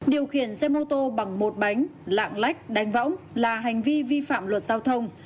điều khiển xe mô tô bằng một bánh lạng lách đánh võng là hành vi vi phạm luật giao thông